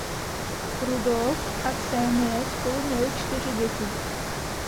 Rudolf a Xenie spolu měli čtyři děti.